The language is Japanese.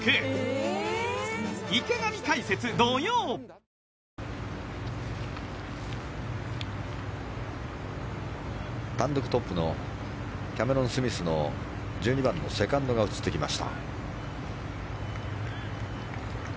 あー単独トップのキャメロン・スミスの１２番のセカンドが映ってきました。